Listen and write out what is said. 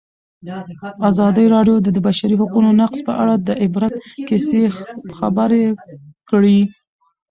ازادي راډیو د د بشري حقونو نقض په اړه د عبرت کیسې خبر کړي.